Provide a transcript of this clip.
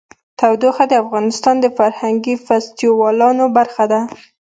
تودوخه د افغانستان د فرهنګي فستیوالونو برخه ده.